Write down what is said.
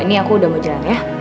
ini aku udah mau jalan ya